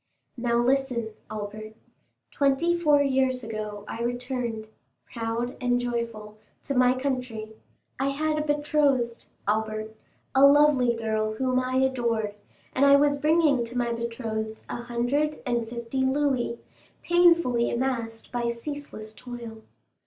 "Now, listen, Albert. Twenty four years ago I returned, proud and joyful, to my country. I had a betrothed, Albert, a lovely girl whom I adored, and I was bringing to my betrothed a hundred and fifty louis, painfully amassed by ceaseless toil.